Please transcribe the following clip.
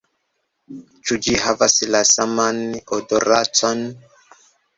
- Ĉu ĝi havas la saman odoraĉon?